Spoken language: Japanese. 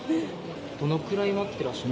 どのくらい待ってらっしゃる？